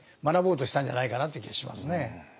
学ぼうとしたんじゃないかなという気がしますね。